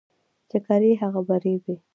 چي کرې، هغه به رېبې.